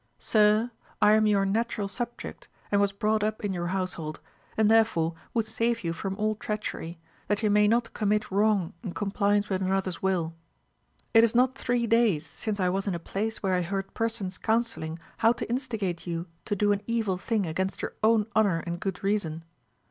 Sir, I am your natural subject and was brought up in your household, and therefore would save you from all treachery, that you may not commit wrong in compliance with another's will. It is not three days since I was in a place where I heard persons counselling how to instigate you to do an evil thing against your own honour and good reason.